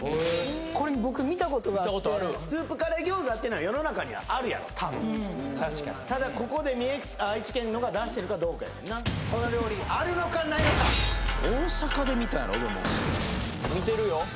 これ僕見たことがあってスープカレー餃子っていうのは世の中にはあるやろ多分ただここで愛知県のが出してるかどうかやんなこの料理あるのかないのか大阪で見たんやろでも見てるよ